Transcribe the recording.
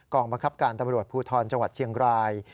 กองกำกับการตรรวจผู้ถอนจังหวัดเฉียงราย